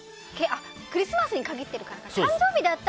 クリスマスに限ってるからか。